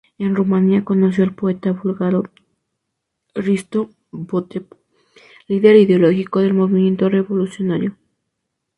En Rumania conoció al poeta búlgaro Hristo Botev, líder ideológico del movimiento revolucionario.